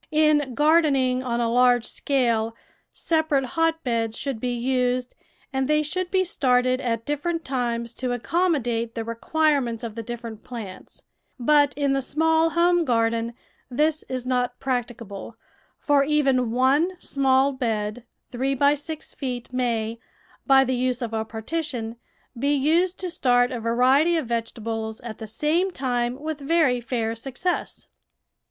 In gardening on a large scale, separate hotbeds should be used, and they should be started at differ ent times to accommodate the requirements of the different plants ; but in the small home garden this is not practicable, for even one small bed, three by six feet, maj^ by the use of a partition, be used to start a variety of vegetables at the same time with very fair success.